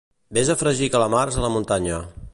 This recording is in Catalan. Ves a fregir calamars a la muntanya